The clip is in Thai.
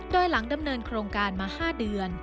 โดยหลังดำเนินโครงการมา๕เดือน